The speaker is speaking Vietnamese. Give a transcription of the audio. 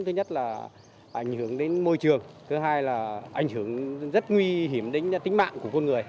thứ nhất là ảnh hưởng đến môi trường thứ hai là ảnh hưởng rất nguy hiểm đến tính mạng của con người